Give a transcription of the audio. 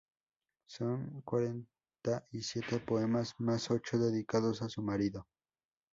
Son cuarenta y siete poemas más ocho dedicados a su marido.